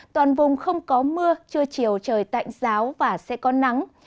toàn vùng không có mưa trưa chiều trời tạnh giáo và sẽ có nắng